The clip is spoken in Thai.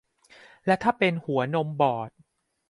และถ้าเป็นหัวนมบอด